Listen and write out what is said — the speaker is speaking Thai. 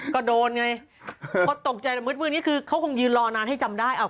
ก็โดนไงพอตกใจแล้วมืดนี่คือเขาคงยืนรอนานให้จำได้